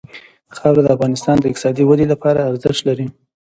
خاوره د افغانستان د اقتصادي ودې لپاره ارزښت لري.